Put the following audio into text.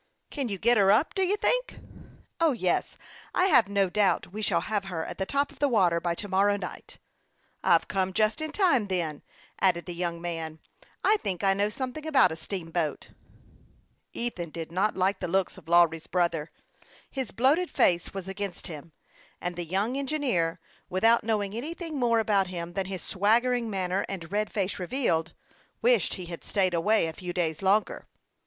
" Can you get her up, do you think ?"" Yes ; I have no doubt we shall have her at the top of the water by to morrow night." " I've come just in time, then," added the young man. " I think I know something about a steam boat." Ethan did not like the looks of Lawry's brother. His bloated face was against him, and the young en gineer, without knowing anything more about him than his swaggering manner and red face revealed, wished he had staid away a few days longer.